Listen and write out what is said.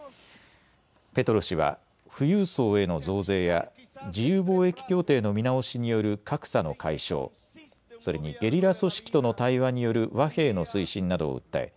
ペトロ氏は富裕層への増税や自由貿易協定の見直しによる格差の解消、それにゲリラ組織との対話による和平の推進などを訴え